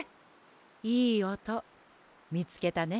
いいおとみつけたね。